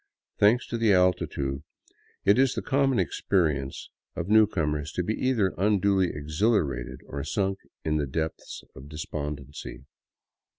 Thanks to the altitude, it is the common experience of new comers to be either unduly exhilarated or sunk in the depths of de spondency.